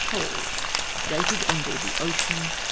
Pole, dated on hoard the Ocean, Dec.